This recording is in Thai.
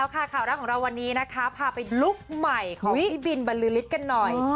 ข่าวแรกของเราวันนี้นะคะพาไปลุคใหม่ของพี่บินบรรลือฤทธิ์กันหน่อย